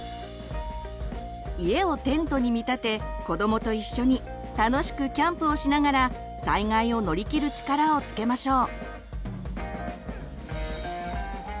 家をテントに見立て子どもと一緒に楽しくキャンプをしながら災害を乗り切る力をつけましょう。